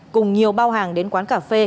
cùng nhiều bao hàng đến quán cà phê